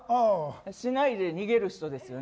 しないで逃げる人ですよね。